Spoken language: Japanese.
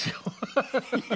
ハハハハッ。